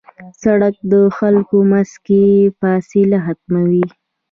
سړک د خلکو منځ کې فاصله ختموي.